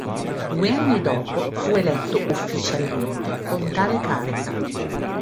Due anni dopo fu eletto ufficialmente con tale carica.